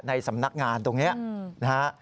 ในสำนักงานตรงนี้นะฮะ